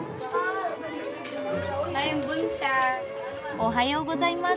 おはようございます。